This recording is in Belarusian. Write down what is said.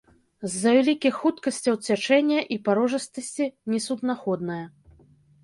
З-за вялікіх хуткасцяў цячэння і парожыстасці несуднаходная.